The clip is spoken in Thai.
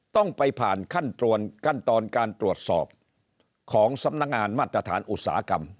ต้องไปผ่านขั้นตอนการตรวจสอบของสำนักงานมาตรฐานอุตสาหกรรม